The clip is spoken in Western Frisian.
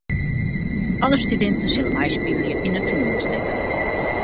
Alle studinten sille meispylje yn it toanielstik.